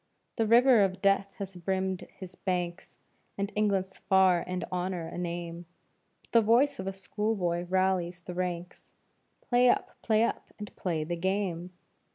The river of death has brimmed his banks, And England's far and Honor a name, But the voice of a schoolboy rallies the ranks, "Play up! Play up! And play the game!"